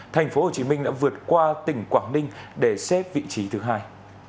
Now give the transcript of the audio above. thành phố hồ chí minh đã vượt qua tỉnh quảng ninh để xếp vị trí thứ hai